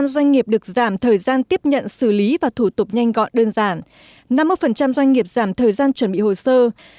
sáu mươi doanh nghiệp được giảm thời gian tiếp nhận xử lý và thủ tục nhanh gọn đơn giản năm mươi doanh nghiệp giảm thời gian chuẩn bị hồ sơ